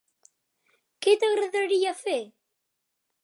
Què t"agradaria fer?